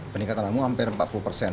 peningkatan kamu hampir empat puluh persen